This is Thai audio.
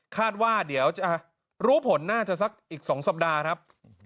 คาดว่าเดี๋ยวจะรู้ผลน่าจะสักอีก๒สัปดาห์ครับ